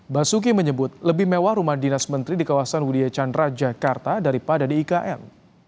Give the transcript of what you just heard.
basuki menyebut lebih mewah rumah dinas menteri di kawasan widya chandra jakarta daripada di ikn